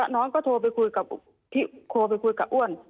น้องก็โทรไปคุยกับอ้วน